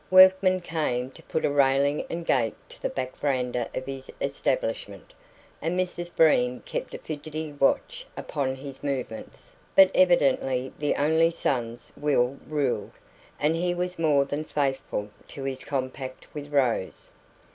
Workmen came to put a railing and gate to the back verandah of his establishment, and Mrs Breen kept a fidgety watch upon his movements; but evidently the only son's will ruled, and he was more than faithful to his compact with Rose.